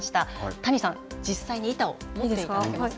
谷さん、実際に板を持っていただいいですか。